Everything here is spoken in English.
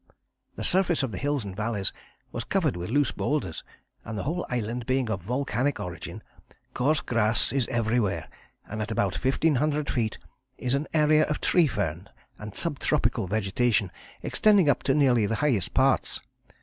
The surface of the hills and valleys was covered with loose boulders, and the whole island being of volcanic origin, coarse grass is everywhere, and at about 1500 feet is an area of tree ferns and subtropical vegetation, extending up to nearly the highest parts.